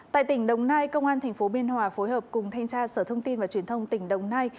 tại tỉnh đồng nai công an tp biên hòa phối hợp cùng thanh tra sở thông tin và truyền thông tỉnh đồng nai